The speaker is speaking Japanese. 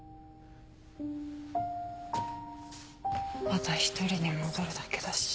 また一人に戻るだけだし。